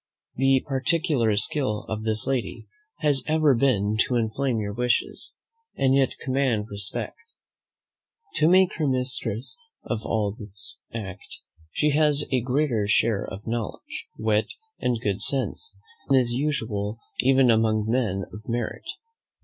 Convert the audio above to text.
The particular skill of this lady has ever been to inflame your wishes, and yet command respect. To make her mistress of this art, she has a greater share of knowledge, wit, and good sense, than is usual even among men of merit.